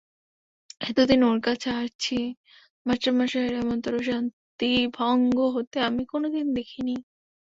এতদিন ওঁর কাছে আছি, মাস্টারমশায়ের এমনতরো শান্তিভঙ্গ হতে আমি কোনোদিন দেখি নি।